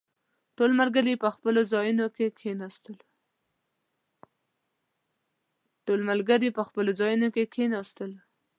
ټول ملګري په خپلو ځايونو کې کښېناستلو.